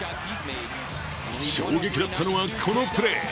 衝撃だったのは、このプレー。